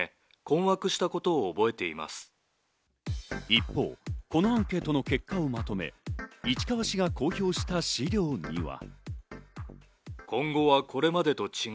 一方、このアンケートの結果を求め、市川市が公表した資料には。